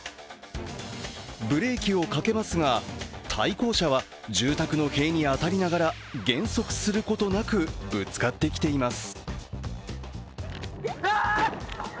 ブレーキをかけますが、対向車は住宅の塀に当たりながら減速することなくぶつかってきています。